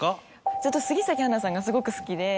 ずっと杉咲花さんがすごく好きで。